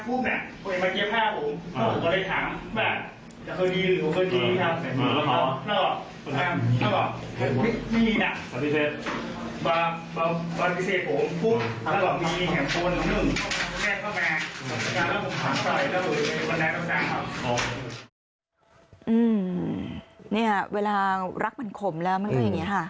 เนี่ยเวลารักมันขมแล้วมันก็อย่างนี้ค่ะ